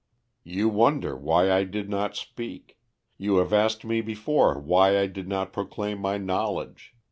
"You wonder why I did not speak; you have asked me before why I did not proclaim my knowledge.